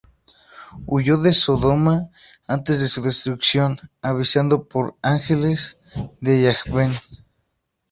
Huyó de Sodoma antes de su destrucción, avisado por ángeles de Yahveh.